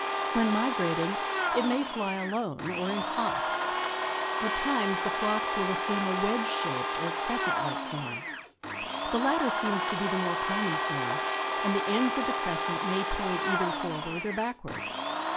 When migrating it may fly alone or in flocks. At times the flocks will assume a wedge shaped or a crescent like form. The latter seems to be the more common form, and the ends of the crescent may point either forward or backward.